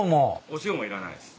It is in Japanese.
お塩もいらないです。